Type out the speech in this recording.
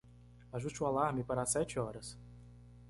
Ajuste o alarme para as sete horas.